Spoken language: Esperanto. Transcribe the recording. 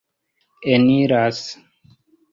eniras